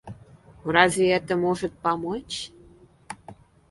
Разве это может помочь?